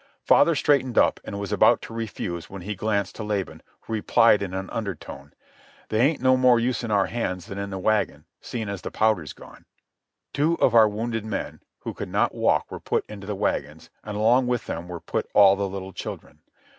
Father straightened up and was about to refuse when he glanced to Laban, who replied in an undertone: "They ain't no more use in our hands than in the wagon, seein' as the powder's gone." Two of our wounded men who could not walk were put into the wagons, and along with them were put all the little children.